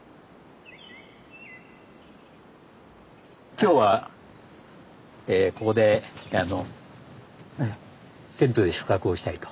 今日はここでテントで宿泊をしたいと。